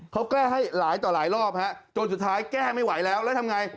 เขาแก้ให้หลายต่อหลายรอบฮะจนสุดท้ายแก้ไม่ไหวแล้วแล้วทำไง